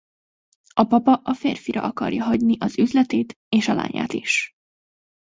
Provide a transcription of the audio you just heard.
A papa a férfira akarja hagyni az üzletét és a lányát is.